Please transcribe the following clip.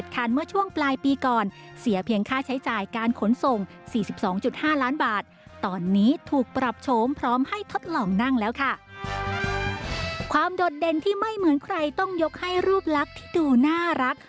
โดดเด่นที่ไม่เหมือนใครต้องยกให้รูปลักษณ์ที่ดูน่ารัก